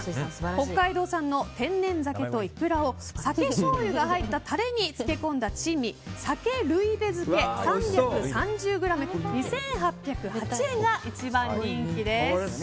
北海道産の天然鮭とイクラを酒、しょうゆが入ったタレに漬け込んだ珍味鮭ルイベ漬、３３０ｇ２８０８円が一番人気です。